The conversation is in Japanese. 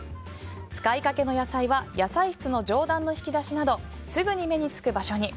使いかけの野菜は野菜室の上段の引き出しなどすぐに目に付く場所に。